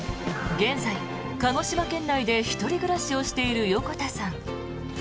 現在、鹿児島県内で１人暮らしをしている横田さん。